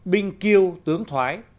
binh kiêu tướng thoái